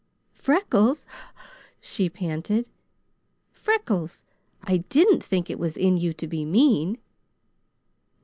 "Freckles," she panted, "Freckles! I didn't think it was in you to be mean!"